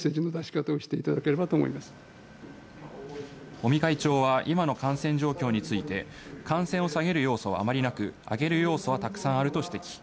尾身会長は今の感染状況について、感染を下げる要素はあまりなく、上げる要素はたくさんあると指摘。